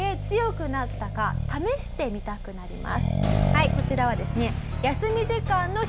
ふとはいこちらはですね